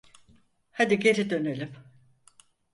Hadi geri dönelim.